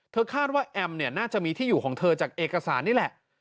คาดว่าแอมเนี่ยน่าจะมีที่อยู่ของเธอจากเอกสารนี่แหละ